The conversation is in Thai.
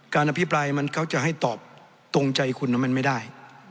อภิปรายมันเขาจะให้ตอบตรงใจคุณมันไม่ได้